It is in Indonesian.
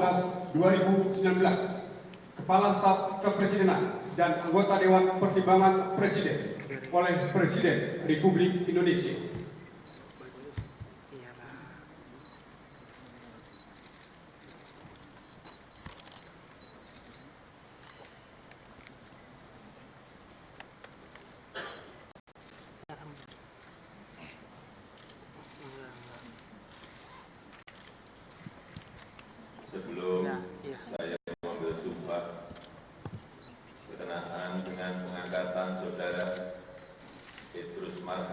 lalu kebangsaan indonesia baik